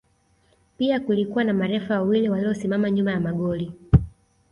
Pia kulikuwa na marefa wawili waliosimama nyuma ya magoli